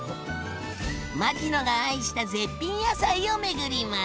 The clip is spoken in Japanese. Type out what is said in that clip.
牧野が愛した絶品野菜を巡ります。